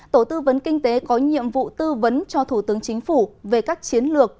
tổ tư vấn kinh tế có nhiệm vụ tư vấn cho thủ tướng chính phủ về các chiến lược